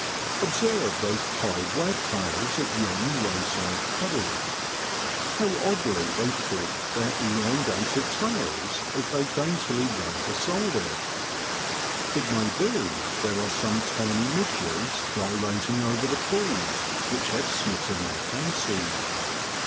Observe those pied wagtails at yon roadside puddle. How oddly they flick their elongated tails as they daintily run beside it. It may be there are some tiny midges gyrating over the pools, which have smitten their fancy.